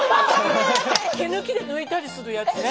毛抜きで抜いたりするやつね。